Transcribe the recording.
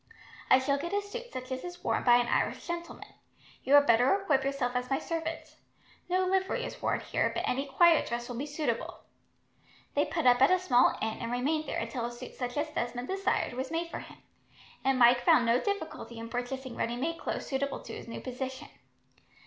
I shall get a suit such as is worn by an Irish gentleman. You had better equip yourself as my servant. No livery is worn here, but any quiet dress will be suitable." They put up at a small inn, and remained there until a suit such as Desmond desired was made for him, and Mike found no difficulty in purchasing ready made clothes suitable to his new position.